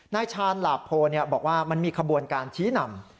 ชาญหลาโพบอกว่ามันมีขบวนการชี้นำ